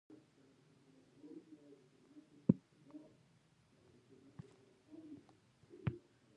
په هېواد کې منرالونه، طبیعي سرچینې او انرژي شتون د زلزلو له امله دی.